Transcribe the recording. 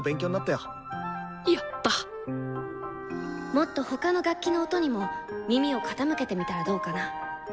もっと他の楽器の音にも耳を傾けてみたらどうかな？